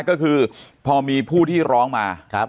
ก็คือพอมีผู้ที่ร้องมา